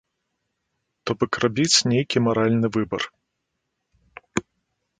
То бок рабіць нейкі маральны выбар.